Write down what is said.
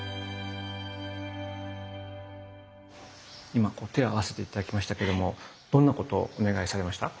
今こう手を合わせて頂きましたけどもどんなことをお願いされました？